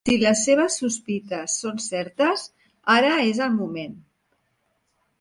Si les seves sospites són certes, ara és el moment.